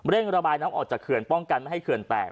ระบายน้ำออกจากเขื่อนป้องกันไม่ให้เขื่อนแตก